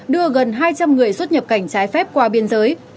đưa gần hai trăm linh người xuất nhập cảnh trái phép qua biên giới